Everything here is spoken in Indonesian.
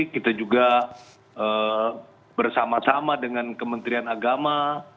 kita juga bersama sama dengan kementerian agama